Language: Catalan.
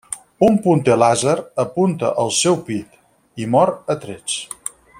Un punter làser apunta el seu pit, i mor a trets.